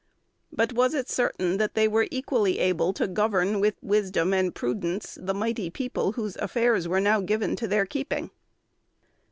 But was it certain that they were equally able to govern with wisdom and prudence the mighty people whose affairs were now given to their keeping?